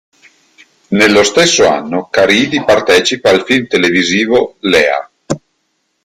Nello stesso anno, Caridi partecipa al film televisivo "Lea".